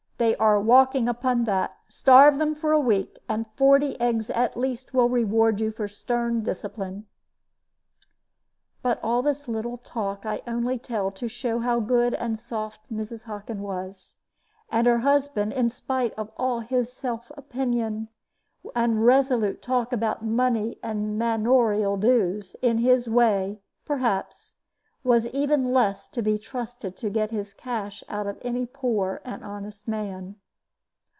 They are walking upon that. Starve them for a week, and forty eggs at least will reward you for stern discipline." But all this little talk I only tell to show how good and soft Mrs. Hockin was; and her husband, in spite of all his self opinion, and resolute talk about money and manorial dues, in his way, perhaps, was even less to be trusted to get his cash out of any poor and honest man.